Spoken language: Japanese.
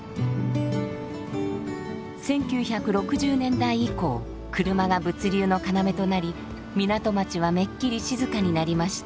１９６０年代以降車が物流の要となり港町はめっきり静かになりました。